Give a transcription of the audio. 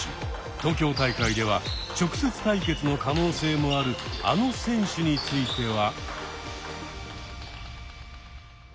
東京大会では直接対決の可能性もあるあの選手については？